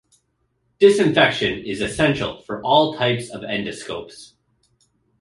Disinfection is essential for all types of endoscopes.